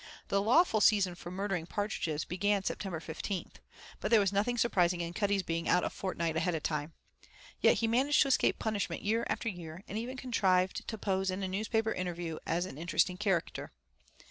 The lawful season for murdering partridges began September 15th, but there was nothing surprising in Cuddy's being out a fortnight ahead of time. Yet he managed to escape punishment year after year, and even contrived to pose in a newspaper interview as an interesting character.